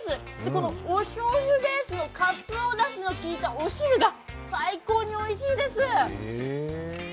このおしょうゆベースのかつおだしのきいたお汁が最高においしいです。